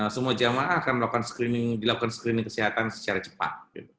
semua jemaah akan melakukan screening kesehatan secara cepat